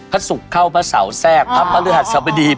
พระศุกร์เข้าพระเสาแทรกพระพระฤหัสสบดี